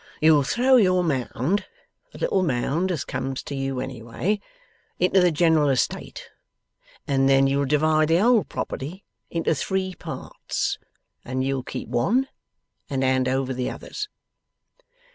You'll throw your Mound (the little Mound as comes to you any way) into the general estate, and then you'll divide the whole property into three parts, and you'll keep one and hand over the others.